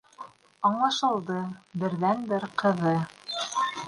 — Аңлашылды, берҙән-бер ҡыҙы...